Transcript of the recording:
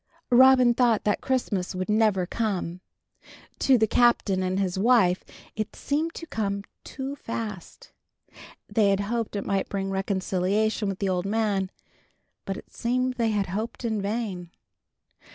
VI. Robin thought that Christmas would never come. To the Captain and his wife it seemed to come too fast. They had hoped it might bring reconciliation with the old man, but it seemed they had hoped in vain.